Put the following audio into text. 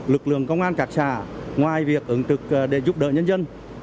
lực lượng công an cạc trà ngoài việc ứng tực để giúp đỡ nhân dân